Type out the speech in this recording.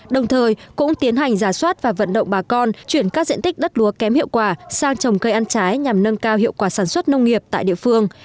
đồng thời cũng tiến hành giả soát và vận động bà con chuyển các diện tích đất lúa kém hiệu quả sang trồng cây ăn trái nhằm nâng cao hiệu quả sản xuất nông nghiệp tại địa phương